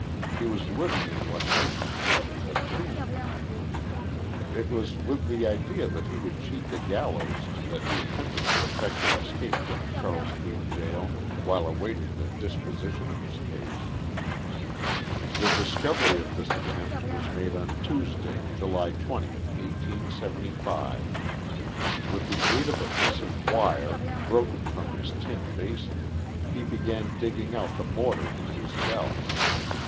He was living in what might be termed a tomb ! It was with the idea that he would cheat the gallows that he attempted to effect an escape from the Charles Street jail while awaiting the disposition of his case. GO THE LIFE OF JESSE HARDIXG POMEROY. The discovery of this attempt was made on Tuesday, July 20, 1S75. With the aid of a piece of wire, broken from his tin basin, he began digging out the mortar in his cell.